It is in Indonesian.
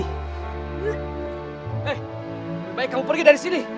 eh baik kamu pergi dari sini